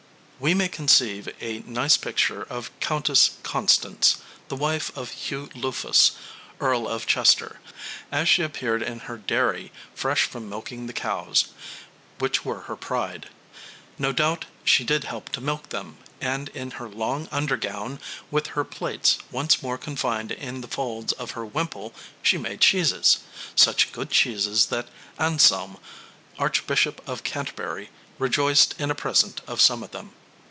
We may conceive a nice picture of Countess Constance, the wife of Hugh Lufus, Earl of Chester, as she appeared in her dairy fresh from milking the cows, which were her pride. No doubt she did help to milk them; and in her long under gown, with her plaits once more confined in the folds of her wimple, she made cheeses such good cheeses that Anselm, Archbishop of Canterbury, rejoiced in a present of some of them.